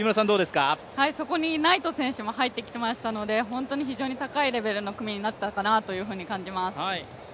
そこにナイト選手も入ってきましたので本当にレベルの高い組になったという感じがします。